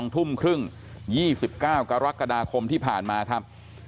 ทุ่มครึ่ง๒๙กรกฎาคมที่ผ่านมาครับ